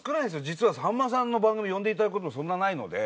実はさんまさんの番組呼んでいただくこともそんなないので。